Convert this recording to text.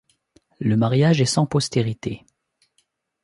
Le mariage est sans postérité.